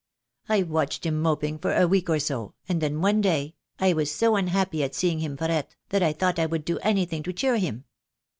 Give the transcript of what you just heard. I watched him moping for a week or so, and then one day, I was so unhappy at seeing him fret, that I thought I would do anything to cheer him.